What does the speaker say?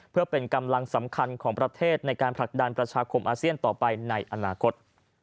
เพื่อเป็นกำลังสำคัญของประเทศในการผลักดันประชาคมอาเซียนต่อไปในอนาคต